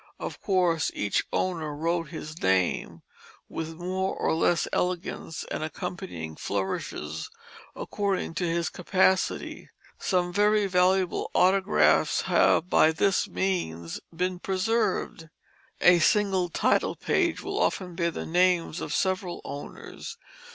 Of course each owner wrote his name, with more or less elegance and accompanying flourishes, according to his capacity. Some very valuable autographs have by this means been preserved. A single title page will often bear the names of several owners.